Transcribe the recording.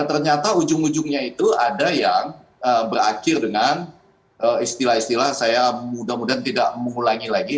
ternyata ujung ujungnya itu ada yang berakhir dengan istilah istilah saya mudah mudahan tidak mengulangi lagi